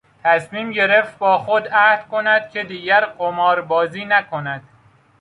تصمیم گرفت با خود عهد کند که دیگر قمار بازی نکند.